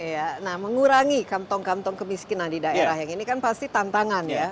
iya nah mengurangi kantong kantong kemiskinan di daerah yang ini kan pasti tantangan ya